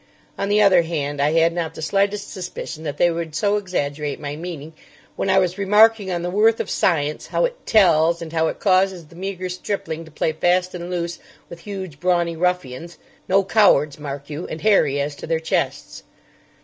On the other hand, I had not the slightest suspicion that they would so exaggerate my meaning when I was remarking on the worth of science, how it "tells," and how it causes the meagre stripling to play fast and loose with huge, brawny ruffians—no cowards, mark you—and hairy as to their chests.